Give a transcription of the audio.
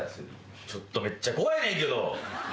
ちょっとめっちゃ怖いねんけど。